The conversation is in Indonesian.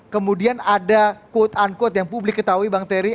kemudian ada quote unquote yang publik ketahui bang terry